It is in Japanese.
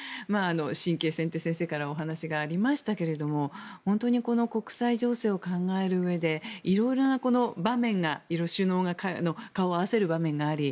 神経戦と先生からもありましたが本当にこの国際情勢を考えるうえでいろいろな首脳が顔を合わせる場面があり